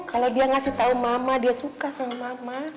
kalau dia ngasih tahu mama dia suka sama mama